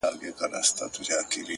• چي مو ښارته ده راغلې یوه ښکلې,